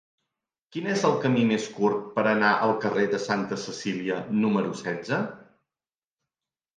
Quin és el camí més curt per anar al carrer de Santa Cecília número setze?